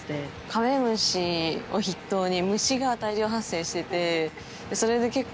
カメムシを筆頭に虫が大量発生しててそれで結構。